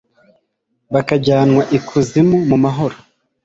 bakajyanwa ikuzimu mu mahoro